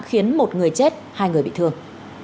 khiến một người chết hai người bị thương